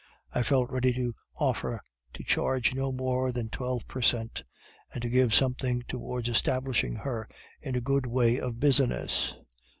I felt ready to offer to charge no more than twelve per cent, and so give something towards establishing her in a good way of business.